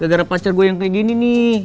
gara gara pacar gue yang kayak gini nih